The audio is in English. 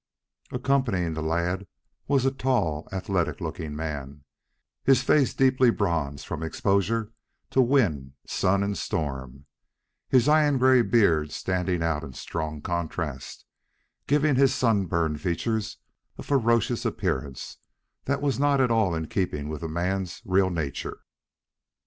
Accompanying the lads was a tall, athletic looking man, his face deeply bronzed from exposure to wind, sun and storm, his iron gray beard standing out in strong contrast, giving to his sun burned features a ferocious appearance that was not at all in keeping with the man's real nature.